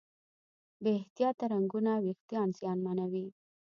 بې احتیاطه رنګونه وېښتيان زیانمنوي.